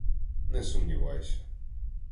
— Не сумнівайся.